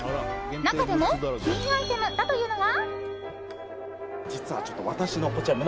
中でもキーアイテムだというのが。